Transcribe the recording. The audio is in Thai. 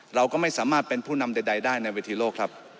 เราก็ไม่สามารถเป็นผู้นำใดได้ในเวทีโลกครับ